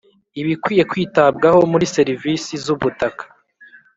Ibikwiye kwitabwaho muri serivisi z ubutaka